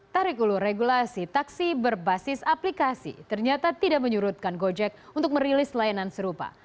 tarik ulu regulasi taksi berbasis aplikasi ternyata tidak menyurutkan gojek untuk merilis layanan serupa